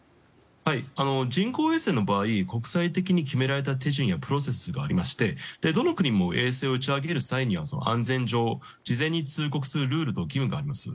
人工衛星の場合国際的に決められた手順やプロセスがありましてどの国も衛星を打ち上げる際には安全上、事前に通告するルールと義務があるんです。